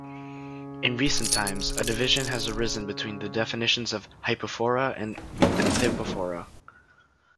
In recent times, a division has arisen between the definitions of hypophora and anthypophora.